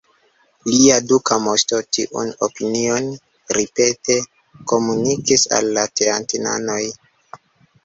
Lia duka moŝto tiun opinion ripete komunikis al la teatinanoj.